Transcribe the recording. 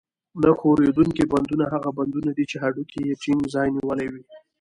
نه ښورېدونکي بندونه هغه بندونه دي چې هډوکي یې ټینګ ځای نیولی وي.